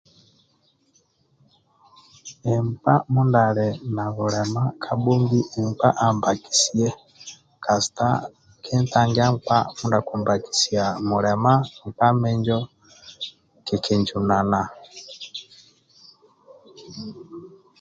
Nkpa mindia ali na bulema kabhongi nkpa ambakisie kasita kinyangia nkpa mindia akimbakisia nkpa mindia ali na bula minjo kikinjunana